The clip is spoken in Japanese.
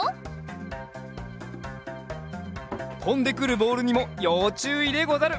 とんでくるボールにもようちゅういでござる！